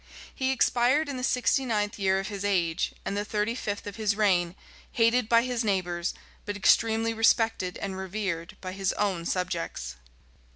He expired in the sixty ninth year of his age, and the thirty fifth of his reign, hated by his neighbors, but extremely respected and revered by his own subjects.